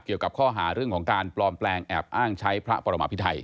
เกี่ยวกับข้อหาเรื่องของการปลอมแปลงแอบอ้างใช้พระปรมาพิไทย